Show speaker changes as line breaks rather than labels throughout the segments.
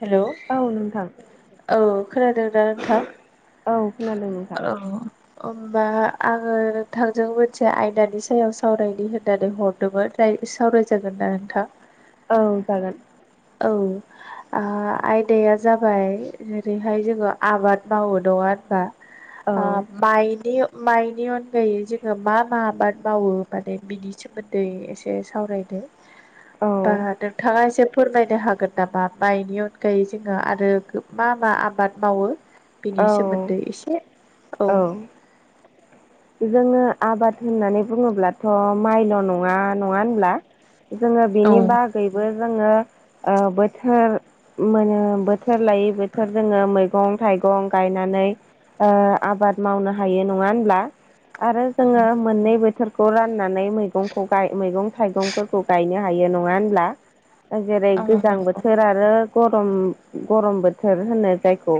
हेल'
औ नोंथां
औ। खोनादों दा नोंथां
औ खोनादों नोंथां
होनबा आङो नोंथांजों मोनसे आयदानि सायाव सावरायनो होननानै हरदोंमोन सावरायजागोन ना नोंथां
औ जागोन
औ ओ आयदाया जाबाय जेरैहाय जोङो आबाद मावो नङा होनबा? आ
औ
मायनि माइनि अनगायै जोङो मा मा आबाद मावो माने बिनि सोमोन्दै एसे सावरायदो। बा
औ
नोंथाङा जेब फोरमायनो हागोन नामा माइनि अनगायै जोङो आरो मा मा आबाद मावो? बिनि
औ
सोमोन्दै एसे औ।
जोङो आबाद होननानै बुङोब्लाथ' माइल' नङा नङा होनब्ला? जोङो
औ
बिनि बागैबो जोङो बोथोर मोनो बोथ बोथोर लायै बोथोर जोङो मै मैगं थाइगं गायनानै ओ आबाद मावनो हायो नङा होनब्ला? आरो जोङो मोननै बोथोर खौ राननानै मैगंखौ गाय मैगं थाइगंफोरखौ गायनो हायो नङा होनब्ला? जेरै गोजां
औ
बोथोर आरो गरम गरम बोथोर होनो जायखौ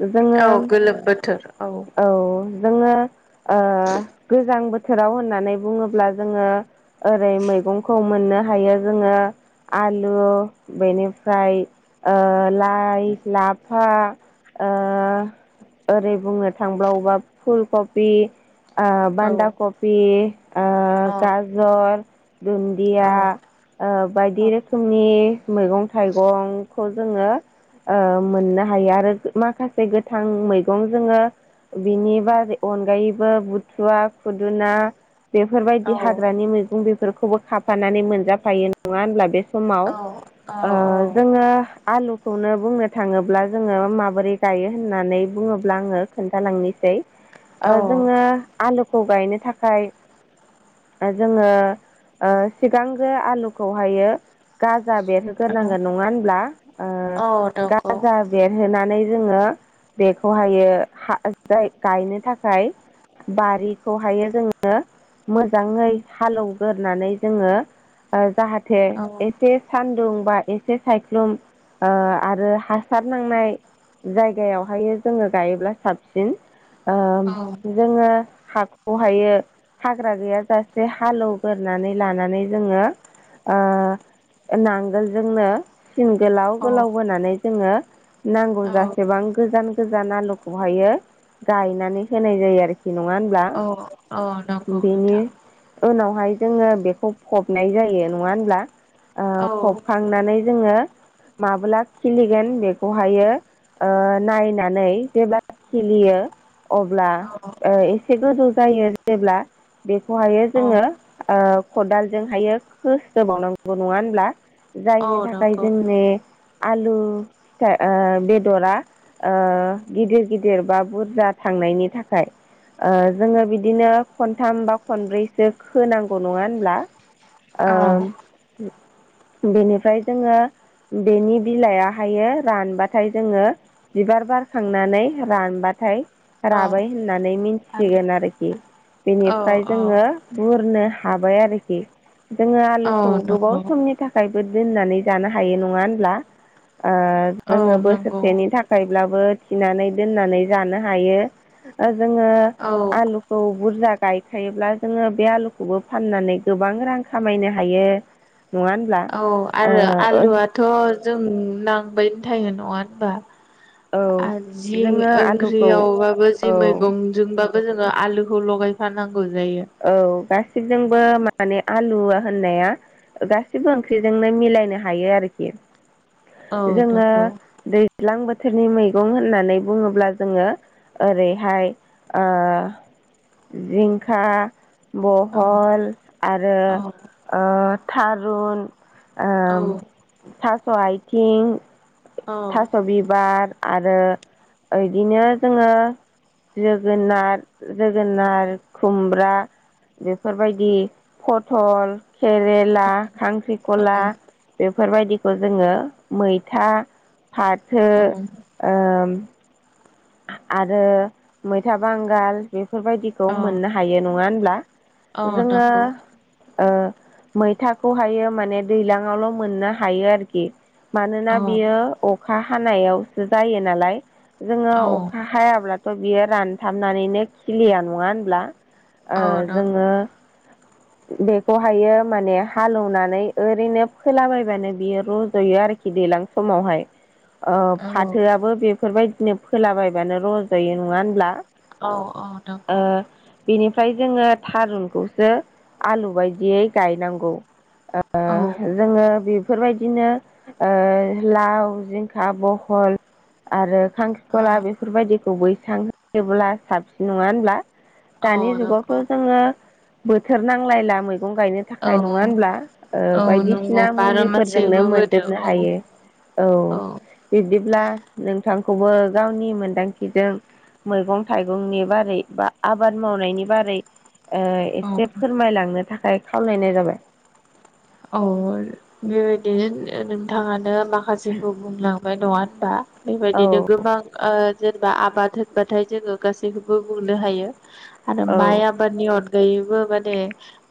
जोङो
गोलोम बोथोर
औ जोङो गोजां बोथोराव होननानै बुङोब्ला जोङो ओरै मैगंखौ मोनो। हायो जोङो आलु बेनिफ्राय ओ लाइ लाइ लाफा ओ ओरै बुंनो थांबावोबा फुल कपि ओ
औ
बान्दा खफि
औ
गाजर
औ
दुन्दिया ओ बायदि
औ
रोखोमनि मैगं थाइगंखौ जोङो ओ मोननो हायो आरो माखासे गोथां मैगं जोङो बिनि बा अनगायै बो बुथुवा खुदुना बेफोरबायदि हाग्रानि मैगं बेफोर खौबो खाफानानै मोनजाफायो नङा होनब्ला बे समाव
औ औ
ओ
औ
जोङो आलु खौनो बुंनो थाङोब्ला जोङो माबोरै गायो होननानै बुङोब्ला आङो खोन्थालांनोसै।
नंगौ
जोङो आलुखौ गायनो थाखाय जोङो ओ सिगांग्रो आलुखौ हायो गा
औ
बेरहोग्रोनांगोन नङा होनब्ला ओ गाजा बेरहोनानै जोङो बेखौहायो [unintelligible] गायनो थाखाय बारिखौहायो जोङो मोजाङै हालेवग्रोनानै जोङो जाहाथ थे एसे सान्दुं बा एसे सायख्लुम ओ आरो हासार नांनाय जायगायावहाय जोङो गायोब्ला साबसिन
औ।
ओ जोङो हाखौ हायो हाग्रा गैयाजासे हालौग्रोनानै लानानै जोङो ओ नांगोलजोंनो सिन गोलाव
औ
गोलाव बोनानै जोङो नांगौ
औ
जासेबां गोजान गोजान जान आलुखौहायो गायनानै होनाय जायो आरोखि। नङा होनब्ला
औ औ नंगौ
बेनि
नोंथां
उनावहाय जोङो बेखौ फबनाय जायो नङा होनब्ला ओ
औ
फबखांनानै जोङो माबोला खिलिगोन बेखौहायो ओ नायनानै जेब्ला खिलियो अब्ला
औ
एसे गोजौ जायो जेब्ला बेखौहायो
औ
जोङो ओ खदालजोंहायो खोस्रोबावनांगौ नङा होनब्ला जायनि
औ
थाखाय
नंगौ
जोंनि आलु फिथा ओ बेदरा ओ गिदिर गिदिर बा बुरजा थांनायनि थाखाय ओ जोङो बिदिनो खनथाम बा खनब्रैसो खोनांगौ नङा होनब्ला?
औ
ओम हो बेनिफ्राय जोङो बेनि बिलाइया हायो रानबाथाय जोङो बिबार बार खांनानै रानबाथाय
औ
राबाय होननानै
औ
मिन्थिगोन आरोखि बेनिफ्राय जोङो
औ
बुर नो हाबाय आरोखि जोङो आलुखौ गोबाव
नंगौ
समनि थाखाय बोद दोननानै जानो हायो नङा होनब्ला ओ
औ
जोङो
नंगौ
बोसोरसेनि थाखाय ब्लाबो थिनानै दोननानै जानो हायो। हो ओ जोङो
औ
आलुखौ बुरजा गायखायोब्ला जोङो बे आलुखौबो फाननानै गोबां रां खामायनो हायो नङा होनब्ला?
औ आरो
ओ
आलुआथ' जों नांबायनो थायो नङा होनबा?
औ
आर जि
जोङो आलुखौ
ओंख्रियावबाबो जि
औ
मैगंजोंबाब बो जोङो आलुखौ लगायफानांग
औ गास सिबजोंबो माने आलुया ओ होननाया गासिबो ओंख्रिजोंनो मिलायनो हायो आरोखि।
[inaudible]
जोङो
नंगौ
दैज्लां बोथ थोरनि मैगं होननानै बुङोब्ला जोङो ओरैहाय ओ जिंखा
औ
बहल आरो
औ
ओ थारुन
औ
ओम थास' आइथिं ओ
औ
थास' बिबार आरो ओ इदिनो जोङो जोगोनार जोगोनार, खुमब्रा बेफोरबायदि फथल, खेरेला, खांख्रि खला बेफोरबायदिखौ जोङो मैथा भात सो ओम खा आरो मैथा बांगाल बे फोरबायदिखौ मोननो हायो नङा होनब्ला
औ
जोङो
नंगौ
ओ मैथाखौहायो माने दैलांआवल' मोननो हायो आरोखि। मानोना
औ
बियो अखा हानायावसो जायो नालाय जोङो
औ
अख हायाब्लाथ' बियो रानथाबनानैनो खिलिया नङा होनब्ला? ओ
औ नंगौ औ
जोङो
नंगौ
बेखौहायो माने हाल एवनानै ओरैनो फोलाबायबानो बियो रज'यो आरोख खि दैलां समावहाय। ओ फाथोआबो बेफोरबायदिनो फोलाबायबानो रजायो नङा होनब्ला?
औ अ नंगौ।
फ्राय जोङो थारुनखौसो आलु बायदियै गायनांगौ। ओ जोङोब बेफोरबायदिनो ओ लाव, जिंखा, बहल आरो खांख्रिखला बेफोरबायदिखौ बैसां होयोब्ला साबसिन नङा होनब्ला? दानि जुगावथ'
नंगौ
जोङो बोथोर नांलायला मैग गं गायनो
औ
थाखाय नङा होनब्ला ओ
औ नंगौ
बायदिसिना
बार'
मुलिफोरजोंनो
मासेबो बोदो
मोनजोबनो
औ
हायो। औ बिब्दिब्ला नोंथांखौबो गावनि मोनदांथिजों मैगं थाइगंनि बारै बा आबाद मावनायनि बारै ओय
औ
से फोरमायलांनो थाखाय खावलायनाय जाबाय
औ ओ बेबायदिनो ओ नोंथाङानो माखासेखौ बुंलां हो नङा होनबा
औ
बेबायदिनो गोबां ओ जेनेबा आबाद होनबाथाय जोङो गासैखौबो बुंनो हायो आरो
औ
माइ आबादनि अन गायैबो माने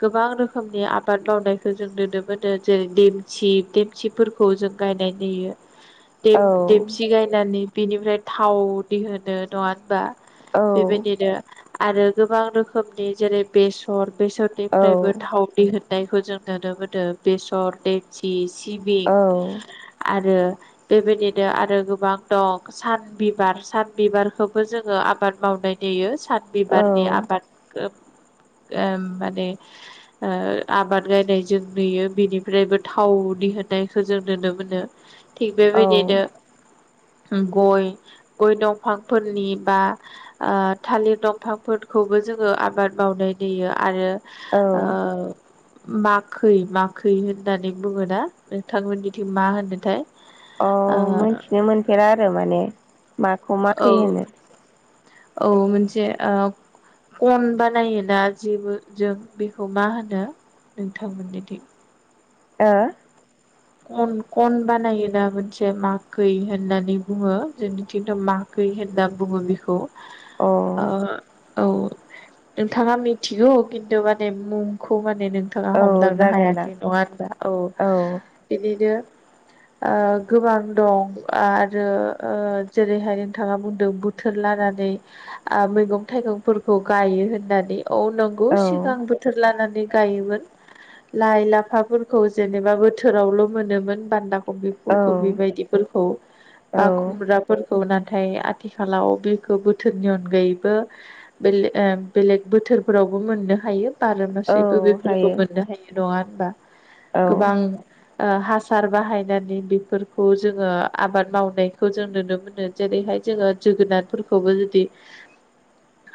गोबां रोखोमनि आबाद मावनायखौ ज जों नुनो मोनो जेरै देमसि देमसिफोरखौ जों गायनाय नुयो। देब
औ
देबसि गायनानै बेनिफ्राय थाव दिहोनो नङा होनबा?
औ
बेबायदिनो आरो गोबां रोखोमनि जेरै बेसर
औ
बेसरनिफ्रायबो थाव दिहुननायखौ जों नुनो मोनो बेसर दमसि सिबिं आरो ओ बेबायदिनो आरो गोबां दं सान बिबार सान बिबारखौबो जोङो आबाद मावनाय दायो
औ
सानबिबारनि आबादखौ ओम माने ओ आबाद दिनै जों नुयो बेनिफ्रायबो थाव दिहुननायखौ जों नुनो मोनो थिग
औ
बेबायदिनो गय गय दंफांफोरनि बा आ थालिर दंफांफोरखौ बो जोङो आबाद मावनाय नुयो आरो
औ
ओ माखै माखै होननानै बुङोना नोंथांमोननिथिं मा होनोथाय
अ
ओ
मोनथिनो मोनफेरा आरो माने माखौ
औ
माखै होनो
औ मोनसे ओब कन बानायोना जेबो जों बेखौ मा होनो नोंथांमोननि थिं
ओ
खन खन बानायोना मोनसे माखै होननानै बुङो जोंनिथिंथ' माखै खै होनना बुङो बेखौ
अह
ओ औ नोंथाङा मिथिगौ खिन्थु माने मुंखौ माने नोंथाङा
औ
हमदांनो
जागोनदां
हायाखै नङा होनबा औ बिदिनो ओ गोबां दं आरो ओ जेरैहाय नोंथाङा बुंदों बोथोर ला नानै ओह मैगं थाइगंफोरखौ गायो होननानै औ नंगौ
औ
सिगां बोथोर लानानै गायोमोन। लाइ-लाफाफोरखौ जेनेबा बोथोरावल' मोनोमोन बान्दा कबि
औ
फल कबि बेबायदिफोरखौ
औ
बा खुमब्राफोर खौ नाथाय आथिखालाव बेखौ बोथोरनि अनगायैबो बे ले ओम बेलेग बोथो सोरफोरावबो मोननो हायो बार मासेबो
औ
बेफोरखौ
हायो
मोननो हायो नङा होनबा
औ
गोबां ओ हासार बाहायनानै बेफोरखौ जोङो आबाद मावनायखौ जों नुनो मोनो जेरैहाय जोङो जोगोनारफोरखौबो जुदि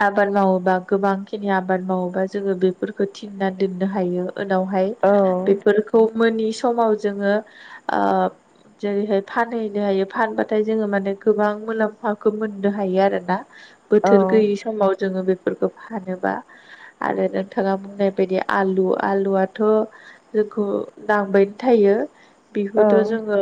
आबाद मावोबा गोबां खिनि आबाद मावोबा जोङो बेफोरखौ थिनना दोननो हायो। उनावहाय
औ
बेफोरखौ मोननि समाव जोङो ओह जेरैहाय फानहैनो हायो फानबाथाय जोङो माने गोबां मुलाम्फाखौ मोननो हायो आरोना
औ
बोथोर गैयि समाव जोङो बे फोरखौ फानोबा आरो नोंथाङा बुंनाय बायदि आलु आलुआथ' खौ नांबाय थायो बेखौथ'
औ
जोङो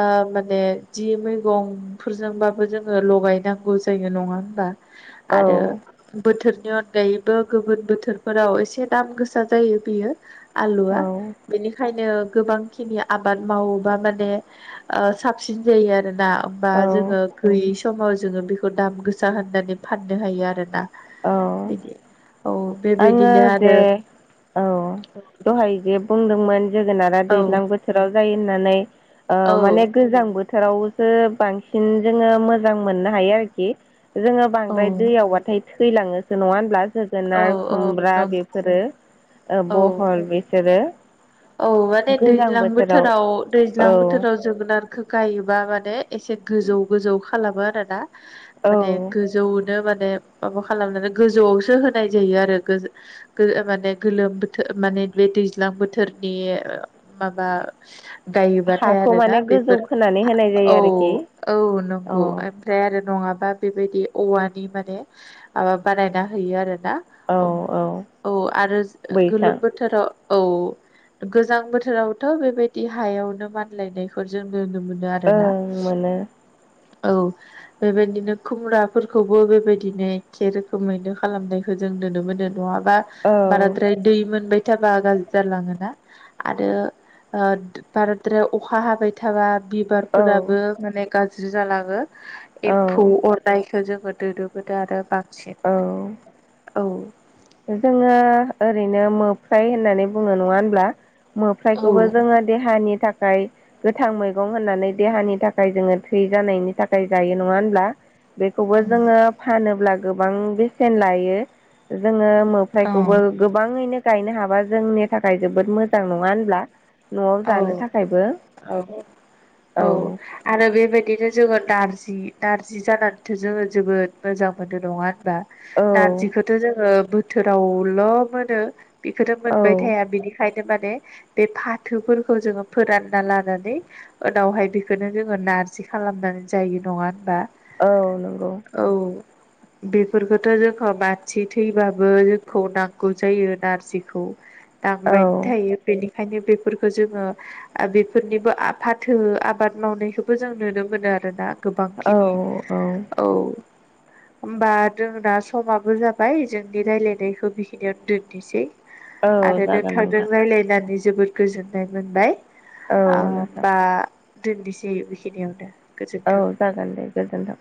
ओ माने जि मैगंफोरजोंबाबो जोङो लगायनांगौ जायो नङा होनबा आरो बोथोर अनगायैबो गुबुन बोथोरफोराव एसे दाम गोसा जायो बेयो
औ
आलुआ बेनिखायनो गोबां खिनि आबाद मावोबा माने ओ साबसिन जायो आरोना होमबा जोङो गैयै समाव जोङो बेखौ दाम गोसा होननानै फाननो हायो आरोना
औ
बिदि औ
आङो
बेबायदिनो आरो
जे औ दहाय जे बुंदोंमोन जोगोनारा
औ
दैज्लां बोथोराव जायो होननानै ओ
औ
माने गोजां बो थोरावसो बांसिन जोङो मोजां मोननो हायो आरोखि जोङो
औ
बांद्राय दैयावबाथाय थैलाङोसो नङा होनब्ला
औ
जोगोनार
औ
खुमब्रा
नं
बेफोरो ओ
औ
बहल बिसोरो
औ माने दैज्लां बोथोराव दैज्लां
औ
बोथोराव जोगोनारखौ गायोबा माने एसे गोजौ गोजौ खालामो आरोना
औ
माने गोजौयैनो माबा खालामनानै गोजौ आव सो होनाय जायो आरो गो -गो माने गोलोम बोथोर माने बे दैज्लां बोथोरनि ओ गायोबाथाय
हाखौ
आरो ना
माने गोजौ
बेफोर
खोनानै होनाय जायो
औ
आरोखि
औ
अ
नंगौ ओमफ्राय आरो नङा बा बेबायदि औवानि माने माबा बानायना होयो आरो ना
औ औ
औ आरो
बैसां
गोलोम बोथोराव औ गोजां बोथोरावथ' बेबायदि हायावनो मानलायनायखौ जों नुनो मोनो आरोना।
ओं मोनो
औ बेबायदिनो खुम्राफोरखौबो बेबायदिनो एखे रोखोमैनो खालामनायखौ जों नुनो मोनो नङाबा
औ
बाराद्राय दै मोनबाय थाबा गाज्रि जालाङोना। आरो ओ बाराद्रायाव अखा हाबाय थाबा
औ
बिबारफोराबो माने गाज्रि जालाङो एम्फौ
औ
अरनाय बेखौ जोङो नुनो मोनो आरो बांसिन
औ
औ
जोङो ओरैनो मोफ्राय होननानै बुङो नङा होनब्ला
औ
मोफ्रायाइखौबो जोङो देहानि थाखा खाय गोथां मैगं होननानै देहानि थाखाय जोङो थै जानायनि थाखाय जायो नङा होनब्ला। बेखौबो जोङो फानोब्ला गोबां बेसेन लायो जोङो
औ
मोफ्रायखौबो गोबाङैनो गायनो हाबा जोंनि थाखाय जोबोद मोजां नङा होनब्ला। न'आव
औ
जानो थाखायबो
औ औ आरो बेबाय बिदिनो जोङो नारजि नारजि जानानैथ' जोङो जोबोद मोजां मोनो नङा होन बा
औ
नारजिखौथ' जोङो बोथोरावल' मोनो। बेखौथ'
औ
मोनबाय थाया बिनिखायनो माने बे फाथोफोरखौ जोङो फोरानना लानानै उनावहाय बेखौनो जोङो नारजि खालामनानै जायो। नङा होनबा?
औ नंगौ।
औ बेफोरखौथ' जोंखौ मानसि थैबाबो जोंखौ नांगौ जायो नारजिखौ।
औ
नांबायनो थायो। बेनिखायनो बे फोरफोरखौ जोङो आ बेफोरनिबो फाथो आबाद मावनायखौबो जों नुनो मोनो आरोना।
औ
गोबांखिनि।
औ
औ होमबा जोंना समाबो जाबाय जोंनि रायलायनायखौ बेखिनियावनो दोननोसै।
औ
आरो
जागोन
नोंथांजों
नोंथां
राय्लायनानै जोबोद गोजोननाय मोनबाय।
औ
ओ
नोंथां
बा दोननोसै बेखिनियावनो।
औ
गोजोन्थों
जागोन दे गोजोन्थों।